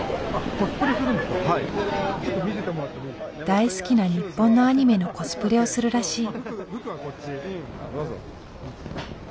大好きな日本のアニメのコスプレをするらしい。